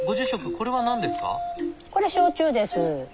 これ焼酎です。